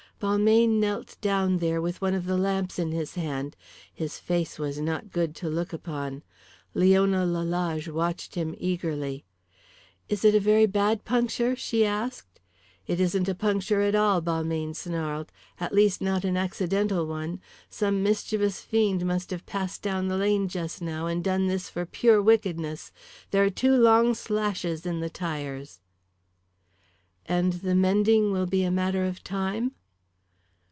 Balmayne knelt down there with one of the lamps in his hand. His face was not good to look upon. Leona Lalage watched him eagerly. "Is it a very bad puncture?" she asked. "It isn't a puncture at all," Balmayne snarled, "at least not an accidental one. Some mischievous fiend must have passed down the lane just now and done this for pure wickedness. There are two long slashes in the tyres." "And the mending will be a matter of time?"